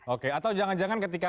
oke atau jangan jangan ketika